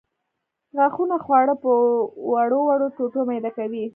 غاښونه خواړه په وړو وړو ټوټو میده کوي.